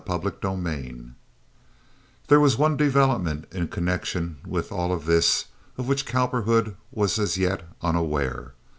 Chapter XXX There was one development in connection with all of this of which Cowperwood was as yet unaware.